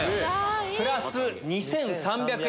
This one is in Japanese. プラス２３００円。